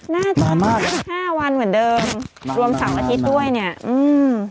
น่าจะห้าวันเหมือนเดิมรวมสามอาทิตย์ด้วยเนี้ยอืม